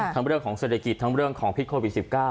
เรื่องของเศรษฐกิจทั้งเรื่องของพิษโควิด๑๙